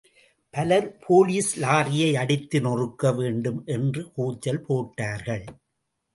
பலர் போலீஸ் லாரியை அடித்து நொறுக்க வேண்டும் என்று கூச்சல் போட்டார்கள்.